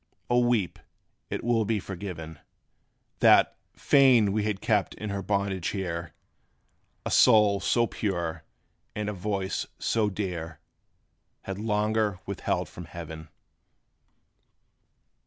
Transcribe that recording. O weep! it will be forgiven, That, fain we had kept in her bondage here A soul so pure, and a voice so dear Had longer withheld from heaven.